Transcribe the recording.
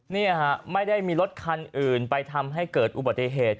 เนี่ยฮะไม่ได้มีรถคันอื่นไปทำให้เกิดอุบัติเหตุ